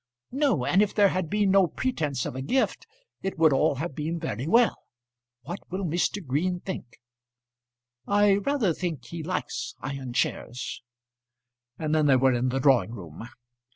"No; and if there had been no pretence of a gift it would all have been very well. What will Mr. Green think?" "I rather think he likes iron chairs;" and then they were in the drawing room.